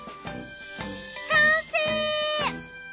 完成！